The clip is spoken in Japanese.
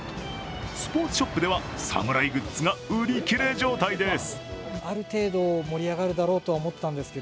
スポーツショップでは侍グッズが売り切れ状態です。